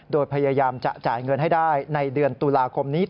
โดยพยายามจะจ่ายเงินให้ได้ในเดือนตุลาคมนี้